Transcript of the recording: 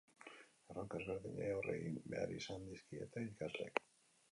Erronka ezberdinei aurre egin behar izan dizkiete ikasleek.